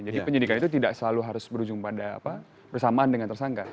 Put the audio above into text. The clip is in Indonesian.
jadi penyelidikan itu tidak selalu harus berujung pada persamaan dengan tersangka